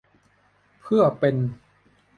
เพื่อเป็น